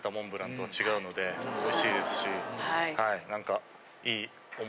おいしいですし何か。